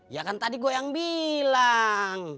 ya kan tadi gue yang bilang